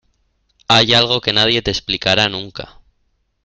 Hay algo que nadie te explicará nunca.